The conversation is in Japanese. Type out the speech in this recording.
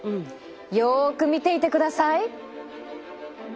よく見ていてください。